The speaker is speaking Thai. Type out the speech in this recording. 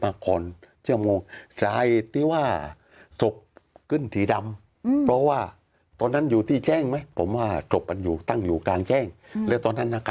อาจจะแดดหรือเปล่า